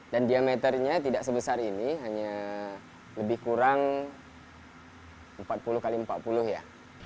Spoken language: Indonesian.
dan diameternya tidak sebesar ini hanya lebih kurang empat puluh x empat puluh ya